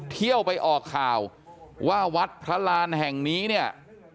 เที่ยวไปออกข่าวว่าวัดพระรานแห่งนี้เนี่ย